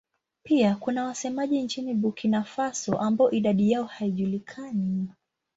Pia kuna wasemaji nchini Burkina Faso ambao idadi yao haijulikani.